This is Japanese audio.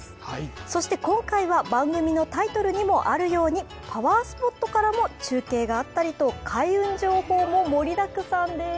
そして今回は番組のタイトルにもあるように、パワースポットからも中継があったりと、開運情報も盛りだくさんです。